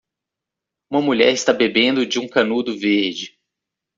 Uma mulher está bebendo de um canudo verde.